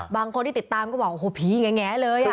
บางคนที่ติดตามก็บอกว่าโอ้โฮผีอย่างเงี้ยเลยอะ